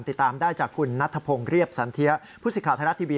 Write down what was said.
ติดตามได้จากคุณนัทพงศ์เรียบสันเทียผู้สิทธิ์ไทยรัฐทีวี